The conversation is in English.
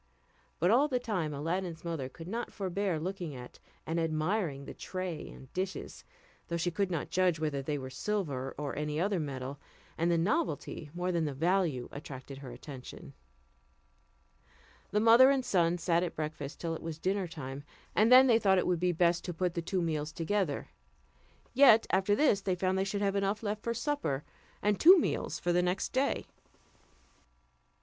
But all the time Aladdin's mother could not forbear looking at and admiring the tray and dishes, though she could not judge whether they were silver or any other metal, and the novelty more than the value attracted her attention. The mother and son sat at breakfast till it was dinner time, and then they thought it would be best to put the two meals together; yet, after this they found they should have enough left for supper, and two meals for the next day.